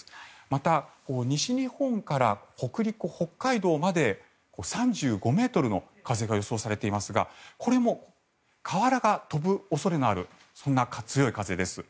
また、西日本から北陸、北海道まで３５ｍの風が予想されていますがこれも瓦が飛ぶ恐れがあるそんな強い風です。